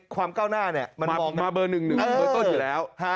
ความก้าวหน้ามันออกมาเบอร์๑๑เบอร์ต้นอยู่แล้ว